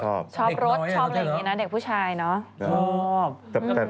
ชอบเด็กผู้ชายเนอะ